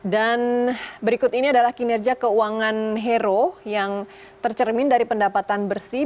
dan berikut ini adalah kinerja keuangan hero yang tercermin dari pendapatan bersih